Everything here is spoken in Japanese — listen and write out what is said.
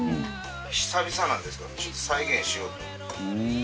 久々なんですけどちょっと再現してみようと。